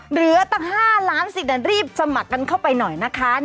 เหลือตั้ง๕ล้านสิทธิ์รีบสมัครกันเข้าไปหน่อยนะคะ